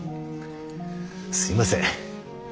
すいません。